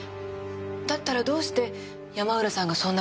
だったらどうして山浦さんがそんな場所に？